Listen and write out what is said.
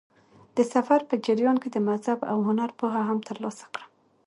د سفر په جریان کې د مذهب او هنر پوهه هم ترلاسه کړم.